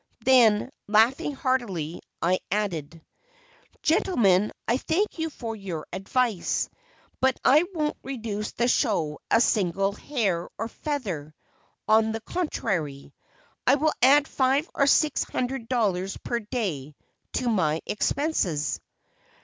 Then, laughing heartily, I added: "Gentlemen, I thank you for your advice; but I won't reduce the show a single hair or feather; on the contrary, I will add five or six hundred dollars per day to my expenses!"